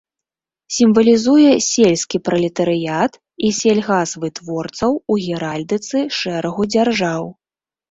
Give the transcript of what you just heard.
Сімвалізуе сельскі пралетарыят і сельгасвытворцаў у геральдыцы шэрагу дзяржаў.